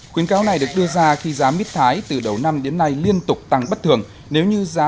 khuyến cáo này được đưa ra khi giá mít thái từ đầu năm đến nay liên tục tăng bất thường nếu như giá